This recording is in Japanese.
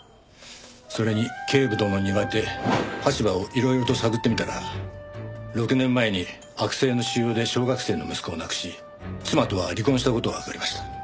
それに警部殿に言われて羽柴をいろいろと探ってみたら６年前に悪性の腫瘍で小学生の息子を亡くし妻とは離婚した事がわかりました。